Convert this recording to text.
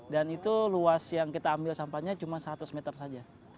dan itu luas yang kita ambil sampahnya cuma seratus meter saja